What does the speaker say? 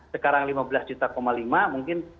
sekarang lima belas juta lima mungkin